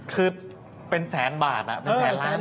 คือเป็นแสนบาทเป็นแสนล้าน